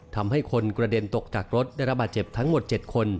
ทำให้คนกระเด็นตกจากรถได้รับบาดเจ็บทั้งหมด๗คน